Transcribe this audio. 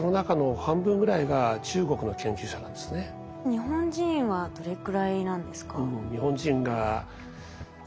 日本人はどれくらいなんですか？